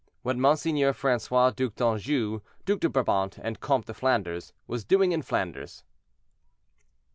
WHAT MONSEIGNEUR FRANCOIS, DUC D'ANJOU, DUC DE BRABANT AND COMTE DE FLANDERS, WAS DOING IN FLANDERS.